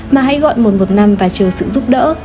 mà hãy gọi một trăm một mươi năm và chờ sự giúp đỡ